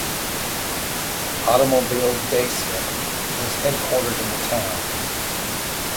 Automobile Dacia is headquartered in the town.